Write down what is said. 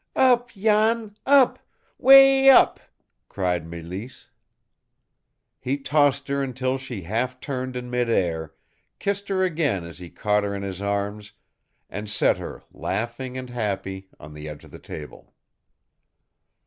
"Up, Jan, up 'way up!" cried Mélisse. He tossed her until she half turned in midair, kissed her again as he caught her in his arms, and set her, laughing and happy, on the edge of the table.